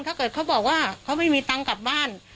เขาบอกว่าเขาไม่มีตังค์กลับบ้าน